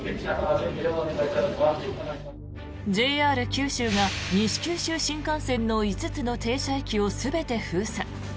ＪＲ九州が西九州新幹線の５つの停車駅を全て封鎖。